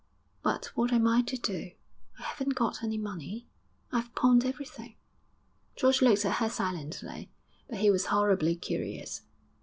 'But what am I to do? I haven't got any money; I've pawned everything.' George looked at her silently; but he was horribly curious.